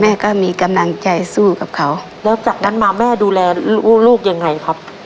ก็มีกำลังใจสู้กับเขาแล้วจากนั้นมาแม่ดูแลลูกยังไงครับ